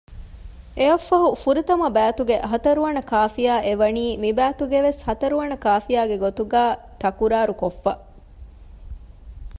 އެއަށްފަހު ފުރަތަމަ ބައިތުގެ ހަތަރުވަނަ ކާފިޔާ އެ ވަނީ މި ބައިތުގެ ވެސް ހަތަރުވަނަ ކާފިޔާގެ ގޮތުގައި ތަކުރާރުކޮށްފަ